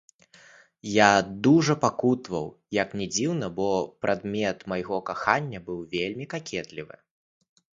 Я дужа пакутаваў, як ні дзіўна, бо прадмет майго кахання быў вельмі какетлівы.